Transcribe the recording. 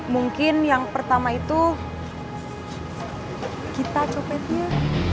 mungkin yang pertama itu kita copet dia